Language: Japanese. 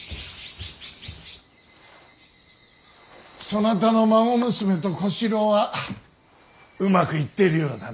そなたの孫娘と小四郎はうまくいっているようだな。